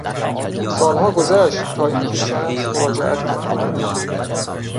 سالها گذشت تا اینکه شمس مراجعت کرد.